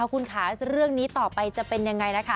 คุณค่ะเรื่องนี้ต่อไปจะเป็นยังไงนะคะ